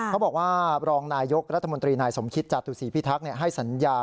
เขาบอกว่ารองนายยกรัฐมนตรีนายสมคิตจตุศรีพิทักษ์